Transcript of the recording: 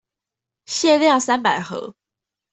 限量三百盒